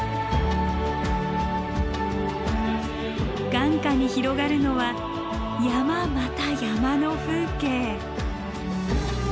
眼下に広がるのは山また山の風景。